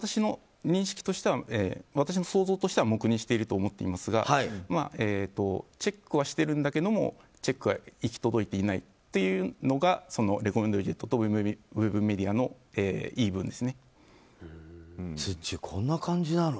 私の想像としては黙認していると思っていますがチェックはしてるんだけどもチェックが行き届いていないというのがレコメンドウィジェットとツッチー、こんな感じなの？